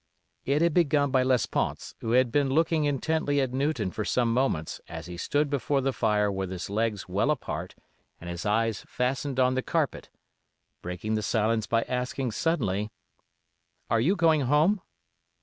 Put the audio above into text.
It had begun by Lesponts, who had been looking intently at Newton for some moments as he stood before the fire with his legs well apart and his eyes fastened on the carpet, breaking the silence by asking, suddenly: "Are you going home?"